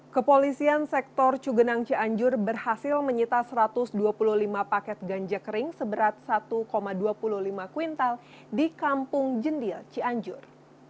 kepolisian sektor cugenang cianjur berhasil menyita satu ratus dua puluh lima paket ganja kering seberat satu dua puluh lima kuintal di kampung jendil cianjur